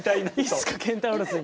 いつかケンタウロスに。